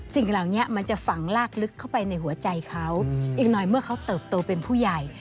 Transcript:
สิ่งเหล่านี้มันจะฝังลากลึกเข้าไปในหัวใจเขาอีกหน่อยเมื่อเขาเติบโตเป็นผู้ใหญ่